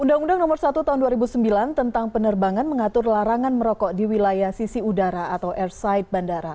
undang undang nomor satu tahun dua ribu sembilan tentang penerbangan mengatur larangan merokok di wilayah sisi udara atau airside bandara